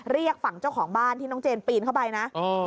เรียกฝั่งเจ้าของบ้านที่น้องเจนปีนเข้าไปนะ